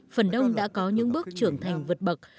phần đông đã có những bước trưởng thành vượt bậc